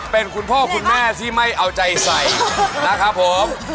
เป็นคุณพ่อคุณแม่ที่ไม่เอาใจใส่นะครับผม